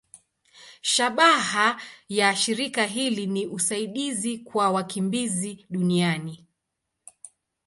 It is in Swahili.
Shabaha ya shirika hili ni usaidizi kwa wakimbizi duniani.